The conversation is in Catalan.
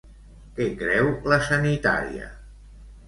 Què creu la sanitària?